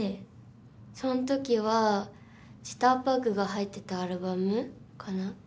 そん時は「ジターバグ」が入ってたアルバムかな。